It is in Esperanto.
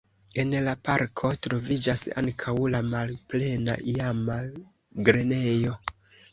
En la parko troviĝas ankaŭ la malplena iama grenejo.